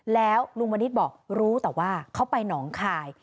แล้วลุงมณิษฐ์บอกรู้แต่ว่าเขาไปหนองคาย